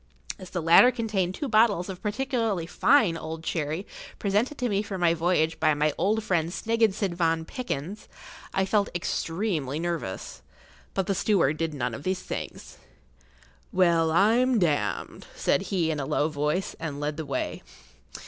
As the latter contained two bottles of particularly fine old sherry presented to me for my voyage by my old friend Snigginson van Pickyns, I felt extremely nervous. But the steward did none of these things.[Pg 13] "Well, I'm d——d!" said he in a low voice, and led the way.